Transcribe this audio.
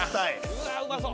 うわぁうまそう！